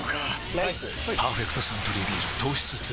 ライス「パーフェクトサントリービール糖質ゼロ」